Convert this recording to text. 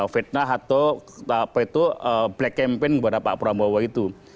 fitnah atau black campaign kepada pak prabowo itu